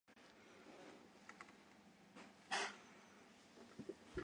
赤巻紙